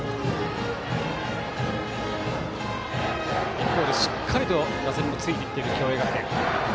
一方でしっかりと打線もついてきている共栄学園。